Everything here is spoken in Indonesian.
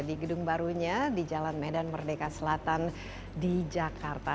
di gedung barunya di jalan medan merdeka selatan di jakarta